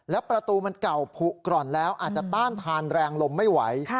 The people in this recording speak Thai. แล้วประตูมันเก่าผุกร่อนแล้วอาจจะต้านทานแรงลมไม่ไหว